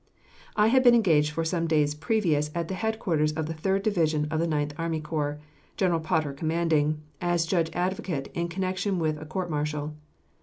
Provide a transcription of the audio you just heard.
I had been engaged for some days previous at the headquarters of the Third Division of the Ninth Army Corps, General Potter commanding, as judge advocate in connection with a court martial.